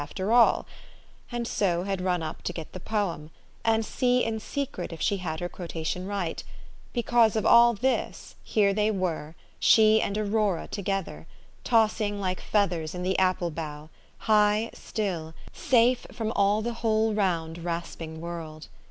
55 after all" and so had run up to get the poem, and see in secret if she had her quotation right, because of all this, here they were, she and Aurora together, tossing like feathers in the apple bough, high, still, safe from all the whole round, rasping world.